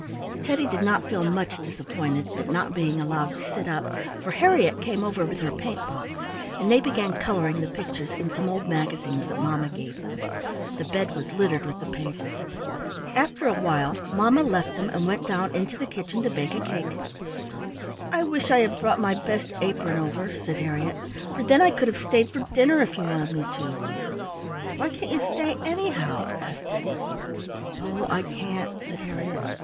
Teddy did not feel much disappointed at not being allowed to sit up, for Harriett came over with her paint box, and they began coloring the pictures in some old magazines that mamma gave them; the bed was littered with the pages. After a while mamma left them and went down into the kitchen to bake a cake. "I wish I had brought my best apron over," said Harriett, "for then I could have stayed for dinner if you wanted me to." "Why can't you stay anyhow?" asked Teddy. "Oh, I can't," said Harriett.